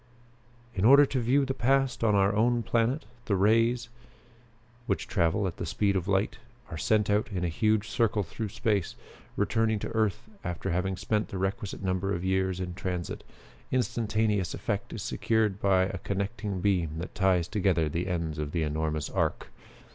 "In order to view the past on our own planet, the rays, which travel at the speed of light, are sent out in a huge circle through space, returning to earth after having spent the requisite number of years in transit. Instantaneous effect is secured by a connecting beam that ties together the ends of the enormous arc.